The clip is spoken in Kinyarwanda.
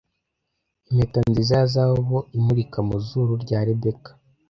impeta nziza ya zahabu imurika mu zuru rya rebecca